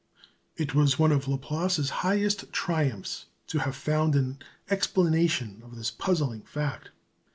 It was one of Laplace's highest triumphs to have found an explanation of this puzzling fact.